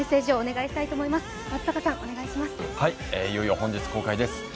いよいよ本日公開です。